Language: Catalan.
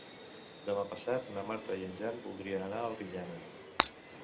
Demà passat na Marta i en Jan voldrien anar a Albinyana.